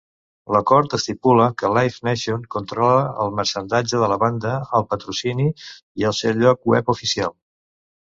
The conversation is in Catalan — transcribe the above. L'acord estipula que Live Nation controla el marxandatge de la banda, el patrocini i el seu lloc web oficial.